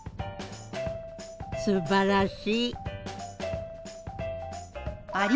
すばらしい。